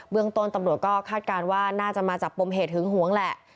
เรื่องต้นตำรวจก็คาดการณ์ว่าน่าจะมาจากปมเหตุหึงหวงแหละ